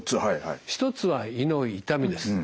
一つは胃の痛みです。